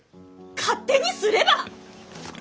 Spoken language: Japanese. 勝手にすれば！